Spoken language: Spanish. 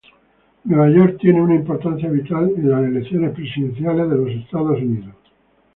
Nueva York tiene una importancia vital en las elecciones presidenciales de Estados Unidos.